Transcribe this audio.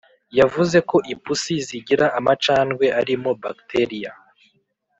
yavuze ko ipusi zigira amacandwe arimo bacteria